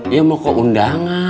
ya mau ke undangan